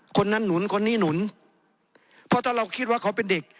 คนนั้นหนุนคนนี้หนุนเพราะถ้าเราคิดว่าเขาเป็นเด็ก